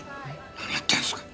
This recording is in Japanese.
何やってんすか！